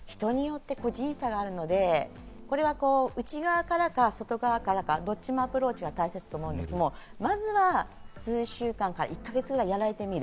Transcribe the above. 個人差があるので内側からか、外側からかどっちもアプローチが大切だと思うんですけど、まずは数週間から１か月ぐらいやられてみる。